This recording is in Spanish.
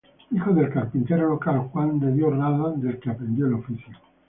Hijo del carpintero local Juan de Dios Rada, del que aprendió el oficio.